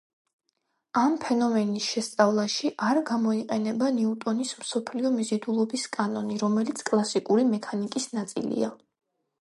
ამ ფენომენის შესწავლაში არ გამოიყენება ნიუტონის მსოფლიო მიზიდულობის კანონი, რომელიც კლასიკური მექანიკის ნაწილია.